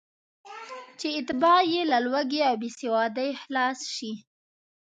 چې اتباع یې له لوږې او بېسوادۍ خلاص شي.